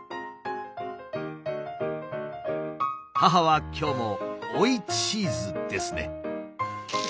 母は今日も「おいチーズ」ですね。